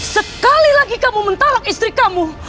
sekali lagi kamu mentolak istri kamu